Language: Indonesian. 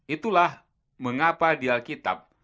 itulah mengapa di alkitab